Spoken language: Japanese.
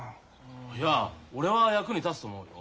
いや俺は役に立つと思うよ。